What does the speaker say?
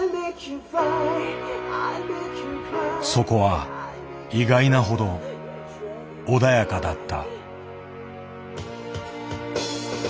そこは意外なほど穏やかだった。